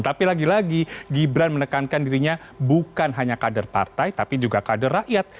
tapi lagi lagi gibran menekankan dirinya bukan hanya kader partai tapi juga kader rakyat